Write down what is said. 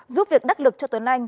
giúp việc đắc lực cho tuấn anh